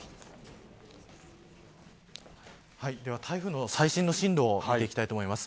では台風の最新の進路を見ていきます。